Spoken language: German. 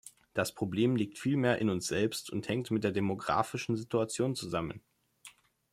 Das Problem liegt vielmehr in uns selbst und hängt mit der demographischen Situation zusammen.